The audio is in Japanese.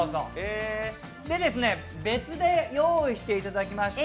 別で用意していただきました